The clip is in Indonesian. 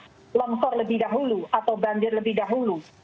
itu akan longsor lebih dahulu atau bandir lebih dahulu